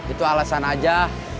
itu alasan aja